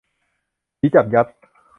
ผีจับยัด